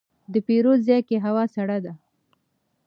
د پیرود ځای کې هوا سړه ده.